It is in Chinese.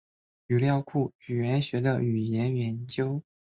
语料库语言学的语言研究。